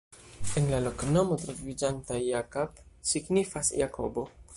En la loknomo troviĝanta "Jakab" signifas: Jakobo.